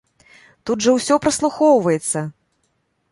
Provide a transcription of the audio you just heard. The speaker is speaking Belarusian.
Тут жа ўсё праслухоўваецца!